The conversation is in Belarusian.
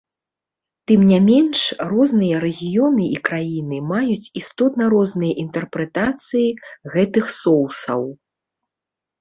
Тым не менш, розныя рэгіёны і краіны маюць істотна розныя інтэрпрэтацыі гэтых соусаў.